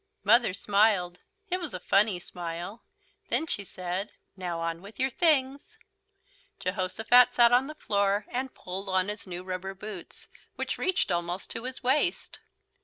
Mother smiled. It was a funny smile. Then she said: "Now, on with your things!" Jehosophat sat on the floor and pulled on his new rubber boots, which reached almost to his waist.